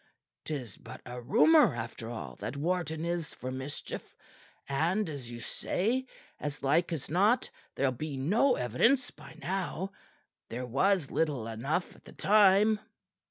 'Tis but a rumor, after all, that Wharton is for mischief, and as you say as like as not there'll be no evidence by now. There was little enough at the time.